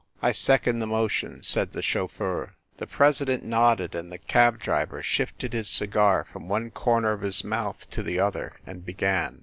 "I second the motion !" said the chauffeur. The president nodded, and the cab driver shifted his cigar from one corner of his mouth to the other and began.